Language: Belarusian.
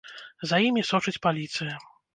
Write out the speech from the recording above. За імі сочыць паліцыя.